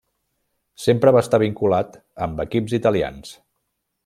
Sempre va estar vinculat amb equips italians.